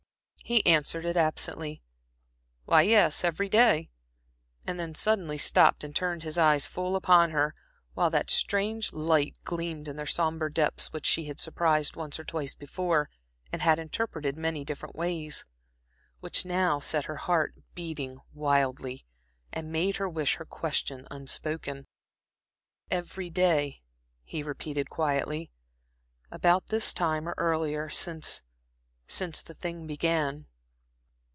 He answered it absently. "Why, yes, every day" and then suddenly stopped and turned his eyes full upon her, while that strange light gleamed in their sombre depths which she had surprised once or twice before and had interpreted many different ways, which now set her heart beating wildly, and made her wish her question unspoken. "Every day," he repeated, quietly, "about this time, or earlier, since since the thing began."